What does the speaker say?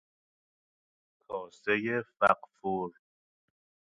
کاسه فغفور